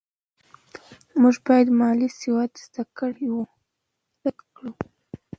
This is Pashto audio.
موږ باید مالي سواد زده کړو.